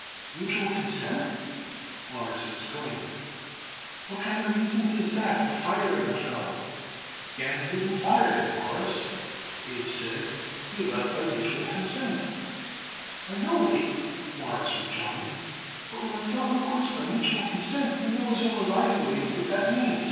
"Mutual consent?" Morris exclaimed. "What kind of reasons is that for firing a feller?" "Gans didn't fire him, Mawruss," Abe said. "He left by mutual consent." "I know, Abe," Morris rejoined, "but when a feller quits by mutual consent you know as well as I do, Abe, what that means.